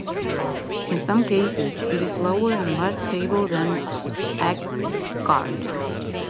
In some cases, it is slower and less stable than agpgart.